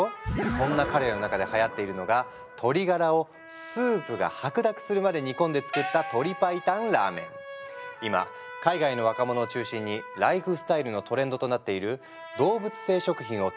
そんな彼らの中ではやっているのが鶏ガラをスープが白濁するまで煮込んで作った今海外の若者を中心にライフスタイルのトレンドとなっている「動物性食品を食べない」